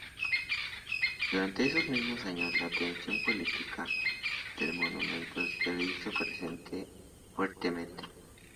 Durante esos mismos años, la tensión política del momento se hizo presente fuertemente.